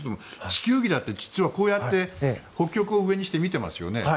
地球儀だって実はこうやって北極を上にして見てますよね。